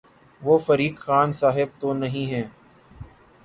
وہ فریق خان صاحب تو نہیں ہیں۔